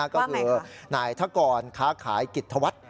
ก็คือหน่ายทะกรณ์ค้าขายกิจทวัตร